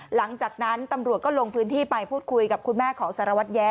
หลังจากนั้นตำรวจก็ลงพื้นที่ไปพูดคุยกับคุณแม่ของสารวัตรแย้